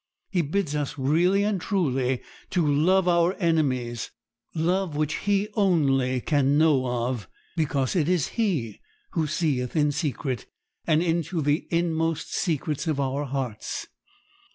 He bids us really and truly to love our enemies love which He only can know of, because it is He who seeth in secret and into the inmost secrets of our hearts.